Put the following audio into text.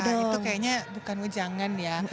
nah itu kayaknya bukan wejangan ya